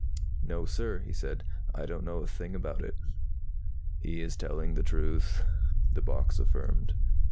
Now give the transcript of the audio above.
"No, sir," he said. "I don't know a thing about it." "He is telling the truth," the box affirmed.